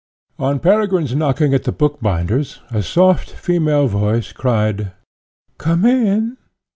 On Peregrine's knocking at the bookbinder's, a soft female voice cried, "Come in!"